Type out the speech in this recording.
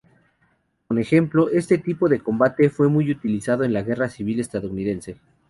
Como ejemplo, este tipo de combate fue muy utilizado en la Guerra Civil Estadounidense.